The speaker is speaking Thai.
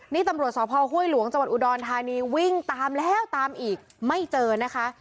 นี่ตำลวจสภฮุ้ยหลวงจอุดรทานีวิ่งตามแล้วตามอีกไม่เจอนะคะ